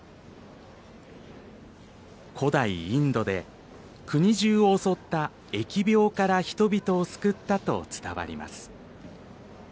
古代インドで国じゅうを襲った疫病から人々を救ったと伝わります。